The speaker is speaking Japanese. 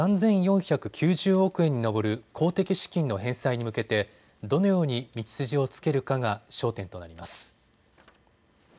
３４９０億円に上る公的資金の返済に向けて、どのように道筋をつけるかが焦点となります。